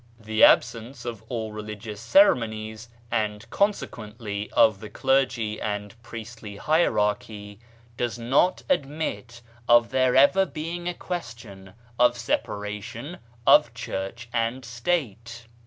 The absence of all religious ceremonies, and consequently of the clergy and priestly hierarchy, does not in 112 BAHAISM admit of there ever being a question of separation of Church and State.